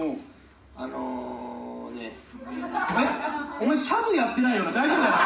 お前シャブやってないよな大丈夫だよな？